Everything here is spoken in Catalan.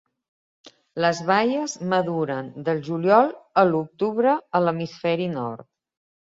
Les baies maduren del juliol a l'octubre a l'hemisferi nord.